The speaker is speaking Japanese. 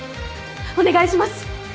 お願いします。